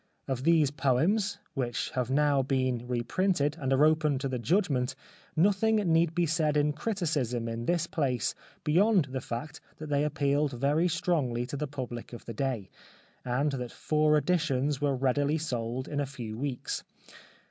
Of these poems, which have now been reprinted, and are open to the judgment, nothing need be said in criticism in this place beyond the fact that they appealed very strongly to the public of the day, and that four editions were readily sold in a few weeks.